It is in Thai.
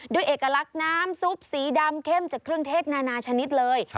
เอกลักษณ์น้ำซุปสีดำเข้มจากเครื่องเทศนานาชนิดเลย